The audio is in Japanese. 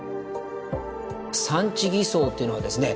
産地偽装っていうのはですね